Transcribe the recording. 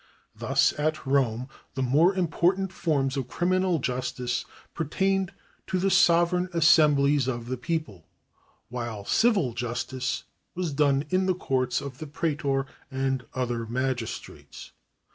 Thus at Rome the more important forms of criminal justice pertained to the sovereign assem blies of the people, while civil justice was done in the courts of the praetor and other magistrates.